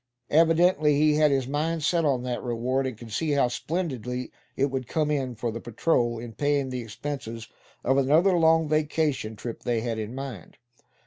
Evidently he had his mind set on that reward; and could see how splendidly it would come in for the patrol, in paying the expenses of another long vacation trip they had in mind.